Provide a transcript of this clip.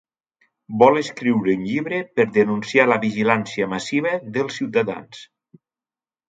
Vol escriure un llibre per denunciar la vigilància massiva dels ciutadans.